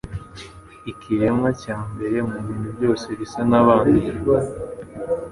ikiremwa cya mbere mubintu byose bisa nabandi